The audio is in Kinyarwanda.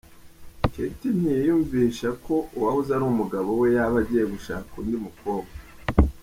Katy ntiyiyumvisha ko uwahoze ari umugabo we yaba agiye gushaka undi mukobwa.